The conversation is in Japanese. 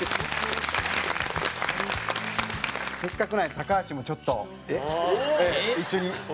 せっかくなんで高橋もちょっと一緒に。